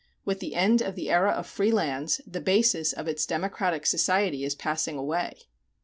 With the end of the era of free lands the basis of its democratic society is passing away.